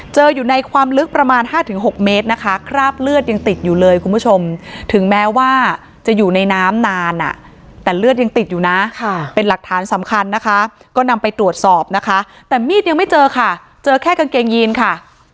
เจออยู่ในความลึกประมาณ๕๖เมตรนะคะคราบเลือดยังติดอยู่เลยคุณผู้ชมถึงแม้ว่าจะอยู่ในน้ำนานอ่ะแต่เลือดยังติดอยู่นะเป็นหลักฐานสำคัญนะคะก็นำไปตรวจสอบนะคะแต่มีดยังไม่เจอค่ะเจอแค่กางเกงยีนค่ะ